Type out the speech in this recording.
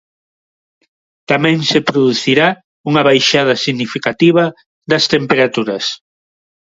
Tamén se producirá unha baixada significativa das temperaturas.